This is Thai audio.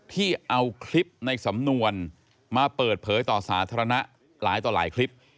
ที่เอาคลิปในสำนวนมาเปิดเพลินต่อสาธารณะหลายกรรม